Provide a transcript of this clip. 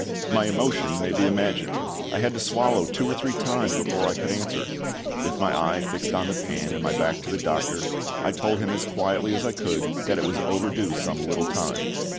My emotion may be imagined! I had to swallow two or three times before I could answer. With my eye fixed on the pan and my back to the doctor, I told him as quietly as I could that it was overdue some little time.